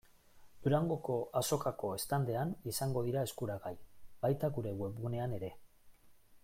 Durangoko Azokako standean izango dira eskuragai, baita gure webgunean ere.